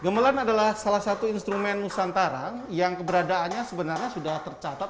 gemelan adalah salah satu instrumen nusantara yang keberadaannya sebenarnya sudah tercatat